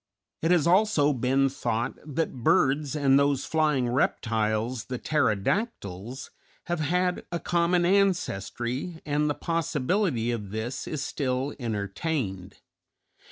It has also been thought that birds and those flying reptiles, the pterodactyls, have had a common ancestry, and the possibility of this is still entertained.